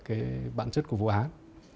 cái bản chất của vụ án